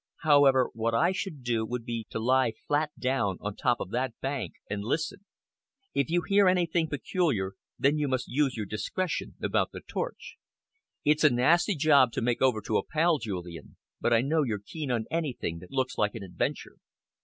However, what I should do would be to lie flat down on the top of that bank and listen. If you hear anything peculiar, then you must use your discretion about the torch. It's a nasty job to make over to a pal, Julian, but I know you're keen on anything that looks like an adventure."